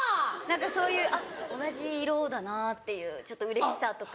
そういうあっ同じ色だなっていうちょっとうれしさとか。